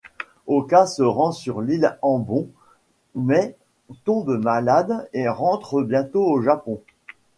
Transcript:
Oka se rend sur l'île Ambon mais tombe malade et rentre bientôt au Japon.